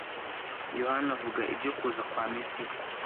Yohana avuga ibyo kuza kwa Mesiya